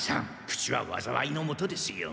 「口は災いのもと」ですよ。